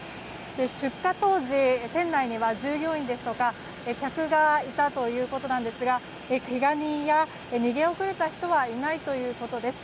出火当時、店内には従業員や客がいたということなんですがけが人や逃げ遅れた人はいないということです。